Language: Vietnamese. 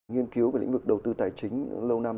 nghiên cứu về lĩnh vực đầu tư tài chính lâu năm